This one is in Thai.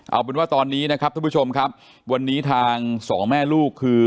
เอาเป็นว่าตอนนี้นะครับท่านผู้ชมครับวันนี้ทางสองแม่ลูกคือ